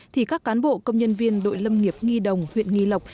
thì các cán bộ công nhân viên đội lâm nghiệp nghi đồng huyện nghi lộc